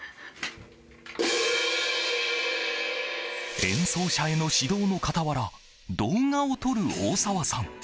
演奏者への指導の傍ら動画を撮る大沢さん。